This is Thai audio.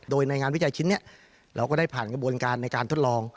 โดยในงานวิจัยชิ้นนี้เราก็ได้ผ่านกระบวนการในการทดลอง